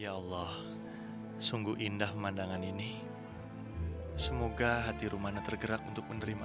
ya allah sungguh indah pemandangan ini semoga hati rumana tergerak untuk menerima